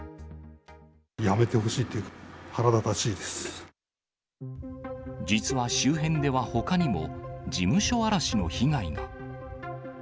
やめてほしい、腹立たしいで実は周辺ではほかにも、事務所荒らしの被害が。